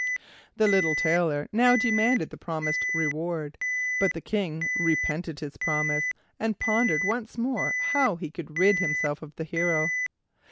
The little Tailor now demanded the promised reward, but the King repented his promise, and pondered once more how he could rid himself of the hero.